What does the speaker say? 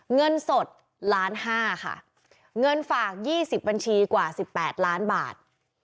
เงินสดล้านห้าค่ะเงินฝาก๒๐บัญชีกว่า๑๘ล้านบาท